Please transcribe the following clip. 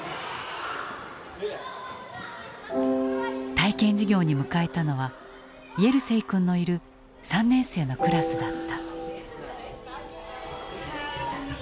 体験授業に迎えたのはイェルセイ君のいる３年生のクラスだった。